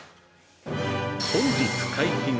◆本日解禁！